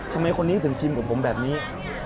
ทำไมคนนี้ถึงชิมกับผมแบบนี้